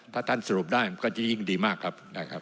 ถ้าท่านสรุปได้ยิ่งดีมากครับ